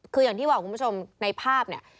คืออย่างที่บอกคุณผู้ชมในภาพเนี่ย